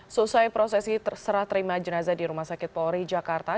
selesai prosesi terserah terima jenazah di rumah sakit polri jakarta